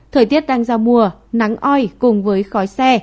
thời tiết đang giao mùa nắng oi cùng với khói xe